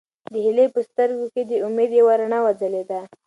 د هیلې په سترګو کې د امید یوه رڼا وځلېده.